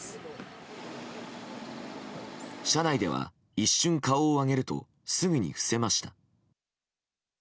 車内では一瞬、顔を上げるとすぐに伏せました。